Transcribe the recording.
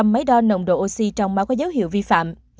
sáu trăm linh máy đo nồng độ oxy trong máu có dấu hiệu vi phạm